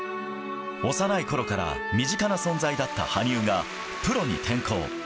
幼いころから身近な存在だった羽生がプロに転向。